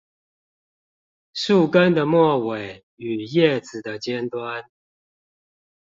樹根的末尾與葉子的尖端